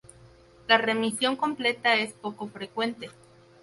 La remisión completa es poco frecuente.